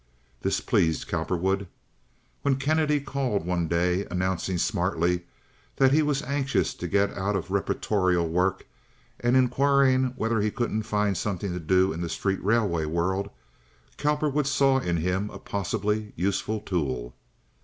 This pleased Cowperwood. When Kennedy called one day, announcing smartly that he was anxious to get out of reportorial work, and inquiring whether he couldn't find something to do in the street railway world, Cowperwood saw in him a possibly useful tool.